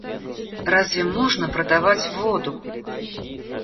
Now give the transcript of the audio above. Разве можно продавать воду?